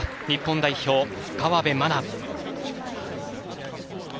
日本代表、河辺愛菜。